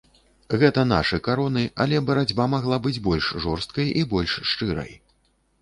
Гэта нашы кароны, але барацьба магла быць больш жорсткай і больш шчырай.